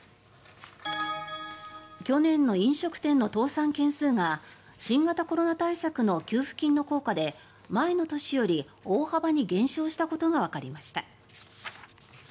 去年の飲食店の倒産件数が新型コロナ対策の給付金の効果で前の年より大幅に減少したことがわかりました。